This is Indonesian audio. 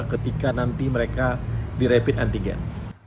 ketika nanti mereka di rapid antigen